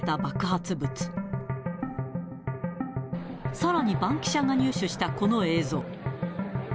さらにバンキシャが入手したこの映像。